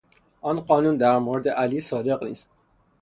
آن قانون در مورد علی صادق نیست.